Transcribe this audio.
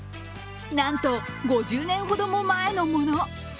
なんと、５０年ほども前のもの。